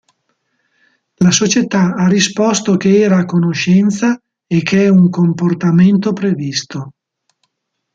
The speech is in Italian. La società ha risposto che era a conoscenza e che è un "comportamento previsto".